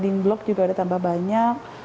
guiding block juga sudah tambah banyak